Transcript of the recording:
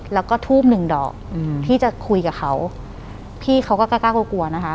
แล้วก็ทูบหนึ่งดอกอืมที่จะคุยกับเขาพี่เขาก็กล้ากลัวกลัวนะคะ